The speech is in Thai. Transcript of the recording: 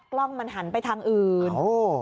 กล้องมันหันไปทางอื่น